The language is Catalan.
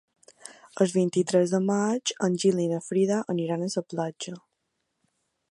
El vint-i-tres de maig en Gil i na Frida aniran a la platja.